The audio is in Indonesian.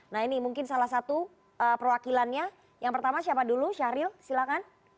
nah ini mungkin salah satu perwakilannya yang pertama siapa dulu syahril silahkan